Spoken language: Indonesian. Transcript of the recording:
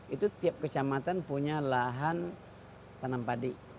itu tiap kecamatan punya lahan tanam padi